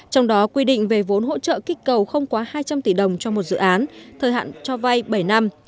trong đó quy định về vốn hỗ trợ kích cầu không quá hai trăm linh tỷ đồng cho một dự án thời hạn cho vay bảy năm